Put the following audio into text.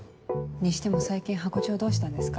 にしても最近ハコ長どうしたんですか？